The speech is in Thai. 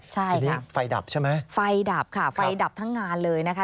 ใช่ทีนี้ไฟดับใช่ไหมไฟดับค่ะไฟดับทั้งงานเลยนะคะ